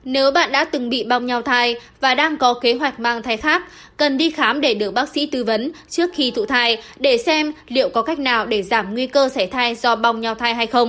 nếu bạn đã từng bị bong nhau thai và đang có kế hoạch mang thai khác cần đi khám để được bác sĩ tư vấn trước khi thụ thai để xem liệu có cách nào để giảm nguy cơ sẻ thai do bong nhau thai hay không